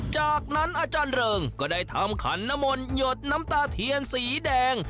จากนั้นอาจารย์เริงก็ได้ทำขันนมลหยดน้ำตาเทียนสีแดง